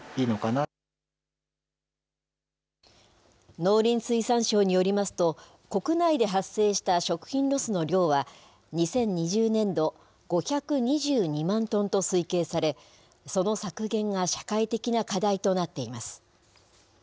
農林水産省によりますと、国内で発生した食品ロスの量は２０２０年度、５２２万トンと推計され、その削減が社会的な課題となっています。